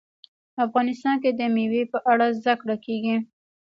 افغانستان کې د مېوې په اړه زده کړه کېږي.